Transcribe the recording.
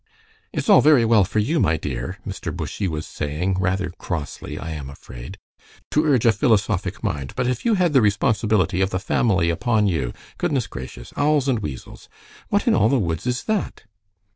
"It's all very well for you, my dear," Mr. Bushy was saying, rather crossly I am afraid, "to urge a philosophic mind, but if you had the responsibility of the family upon you Goodness gracious! Owls and weasels! What in all the woods is that?"